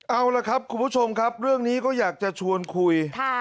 เอาล่ะครับคุณผู้ชมครับเรื่องนี้ก็อยากจะชวนคุย